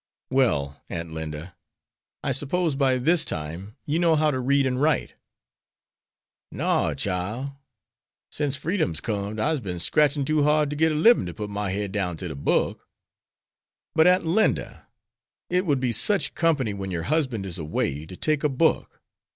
"Well, Aunt Linda, I suppose by this time you know how to read and write?" "No, chile, sence freedom's com'd I'se bin scratchin' too hard to get a libin' to put my head down to de book." "But, Aunt Linda, it would be such company when your husband is away, to take a book.